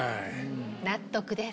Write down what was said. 納得です。